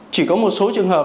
chỉ có một số trường hợp